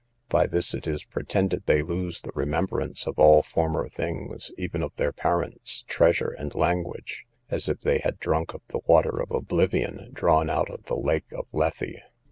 By this it is pretended they lose the remembrance of all former things, even of their parents, treasure, and language, as if they had drunk of the water of oblivion, drawn out of the lake of Lethe.